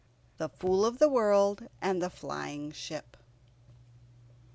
THE FOOL OF THE WORLD AND THE FLYING SHIP.